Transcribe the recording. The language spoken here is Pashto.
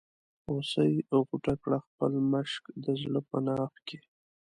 هوسۍ غوټه کړه خپل مشک د زړه په ناف کې.